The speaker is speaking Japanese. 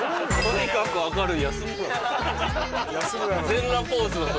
全裸ポーズの時。